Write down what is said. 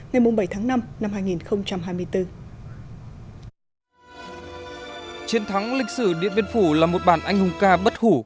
ngày bảy tháng năm năm hai nghìn hai mươi bốn chiến thắng lịch sử điện biên phủ là một bản anh hùng ca bất hủ